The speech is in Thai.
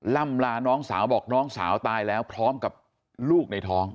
ล่ำลาน้องสาวบอกน้องสาวตายแล้วพร้อมกับลูกในท้อง